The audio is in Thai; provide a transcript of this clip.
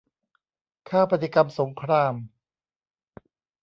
ค่าปฏิกรรมสงคราม